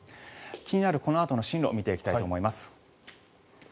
気になる、このあとの進路を見ていきたいと思います。